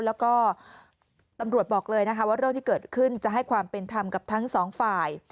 แล้วก็ตำรวจบอกเลยนะคะว่าเรื่องที่เกิดขึ้นจะให้ความเป็นธรรมกับทั้งสองฝ่าย